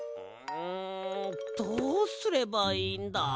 うんどうすればいいんだ？